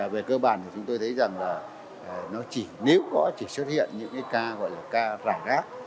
về cơ bản thì chúng tôi thấy rằng là nó chỉ nếu có chỉ xuất hiện những cái ca gọi là ca rải rác